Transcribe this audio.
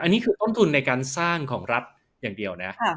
อันนี้คือต้นทุนในการสร้างของรัฐอย่างเดียวนะ